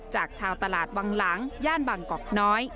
จากชาวตลาดวังหลังย่านบางกอกน้อย